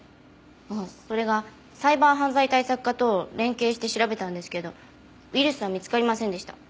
それがサイバー犯罪対策課と連携して調べたんですけどウイルスは見つかりませんでした。